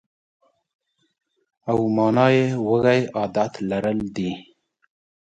او مانا یې وږی عادت لرل دي.